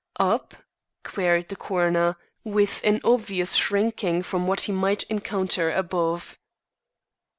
"Up?" queried the coroner, with an obvious shrinking from what he might encounter above.